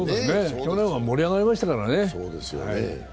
去年は盛り上がりましたからね。